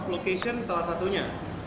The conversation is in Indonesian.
location salah satunya